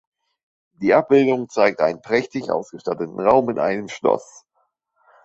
Die Abbildung zeigt einen prächtig ausgestatteten Raum in einem Schloss.